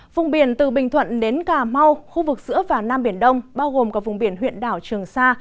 vùng biển từ bình thuận đến cà mau khu vực giữa và nam biển đông bao gồm có vùng biển huyện đảo trường sa